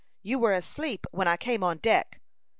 You were asleep when I came on deck."